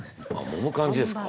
もむ感じですか。